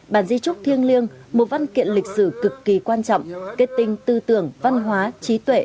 bản di trúc thiêng liêng một văn kiện lịch sử cực kỳ quan trọng kết tinh tư tưởng văn hóa trí tuệ